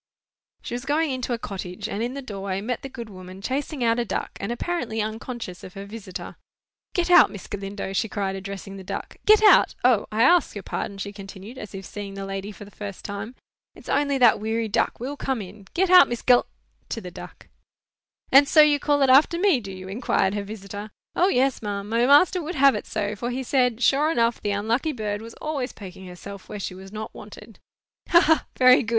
She was going into a cottage, and in the doorway met the good woman chasing out a duck, and apparently unconscious of her visitor. "Get out, Miss Galindo!" she cried, addressing the duck. "Get out! O, I ask your pardon," she continued, as if seeing the lady for the first time. "It's only that weary duck will come in. Get out Miss Gal——" (to the duck). "And so you call it after me, do you?" inquired her visitor. "O, yes, ma'am; my master would have it so, for he said, sure enough the unlucky bird was always poking herself where she was not wanted." "Ha, ha! very good!